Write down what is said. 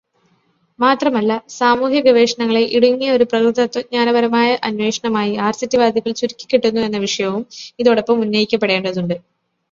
മാത്രമല്ല, സാമൂഹ്യഗവേഷണങ്ങളെ ഇടുങ്ങിയ ഒരു പ്രകൃതിതത്വജ്ഞാനപരമായ അന്വേഷണമായി ആർസിറ്റിവാദികൾ ചുരുക്കിക്കെട്ടുന്നു എന്ന വിഷയവും ഇതോടൊപ്പം ഉന്നയിക്കപ്പെടേണ്ടതുണ്ട്.